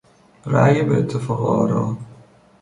رای به اتفاق آرا